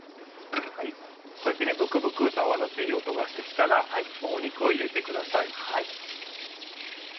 こうやってブクブクと泡立っていい音がして来たらもう肉を入れてください。